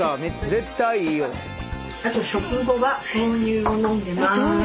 絶対いいよ。